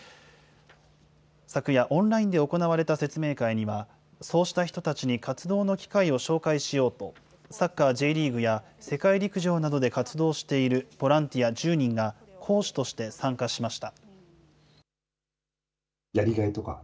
昨夜、オンラインで行われた説明会には、そうした人たちに活動の機会を紹介しようと、サッカー・Ｊリーグや世界陸上などで活動しているボランティア１０人が、講師として参加しました。